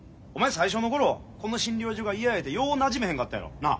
最初の頃この診療所が嫌や言うてようなじめへんかったやろ。なあ？